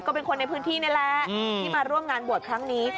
ก็เป็นคนในพื้นที่นี่แหละที่มาร่วมงานบวชครั้งนี้